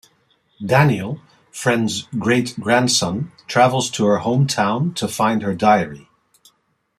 Daniel, Fran's great-grandson, travels to her home town to find her diary.